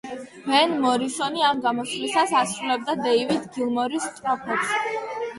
ვენ მორისონი ამ გამოსვლისას ასრულებდა დეივიდ გილმორის სტროფებს.